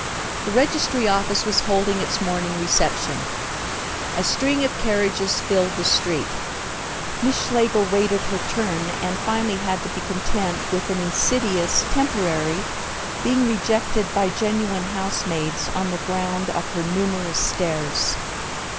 The registry office was holding its morning reception. A string of carriages filled the street. Miss Schlegel waited her turn, and finally had to be content with an insidious "temporary," being rejected by genuine housemaids on the ground of her numerous stairs.